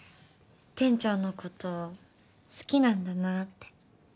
店長のこと好きなんだなぁって。